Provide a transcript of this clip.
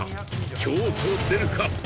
凶と出るか？